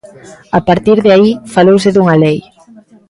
A partir de aí, falouse dunha lei.